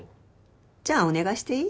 じゃあお願いしていい？